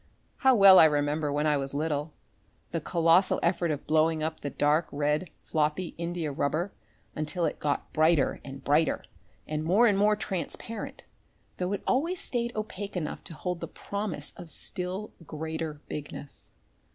How well I remember when I was little, the colossal effort of blowing up the dark red, floppy India rubber until it got brighter and brighter and more and more transparent, though it always stayed opaque enough to hold the promise of still greater bigness.